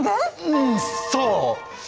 うんそう！